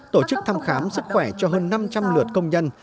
tổ chức thăm khám sức khỏe cho hơn năm trăm linh lượt công nhân